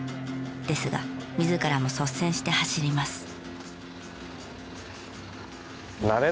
ですが自らも率先して走ります。